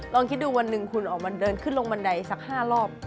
ลองคิดดูวันหนึ่งคุณออกมาเดินขึ้นลงบันไดสัก๕รอบ